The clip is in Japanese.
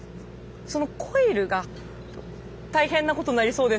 そのコイルが大変なことになりそうですね。